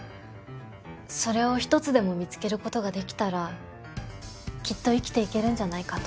それをひとつでも見つけることができたらきっと生きていけるんじゃないかと。